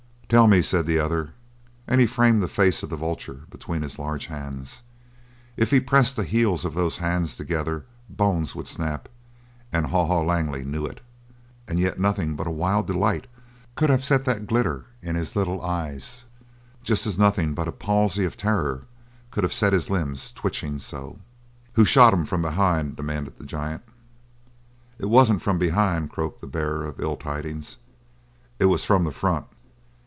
"Tell me," said the other, and he framed the face of the vulture between his large hands. If he pressed the heels of those hands together bones would snap, and Haw Haw Langley knew it. And yet nothing but a wild delight could have set that glitter in his little eyes, just as nothing but a palsy of terror could have set his limbs twitching so. "Who shot him from behind?" demanded the giant. "It wasn't from behind," croaked the bearer of ill tidings. "It was from the front."